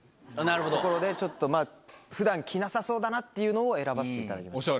ちょっとまあ、ふだん着なさそうだなっていうのを選ばせていただきました。